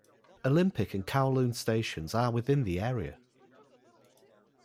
Olympic and Kowloon stations are within the area.